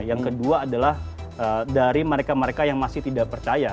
yang kedua adalah dari mereka mereka yang masih tidak percaya